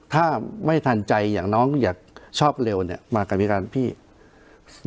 ถ้าไม่ทันใจอย่างน้องอยากชอบเร็วเนี่ยมากับพิการพี่